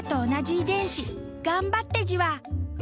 頑張ってじわ！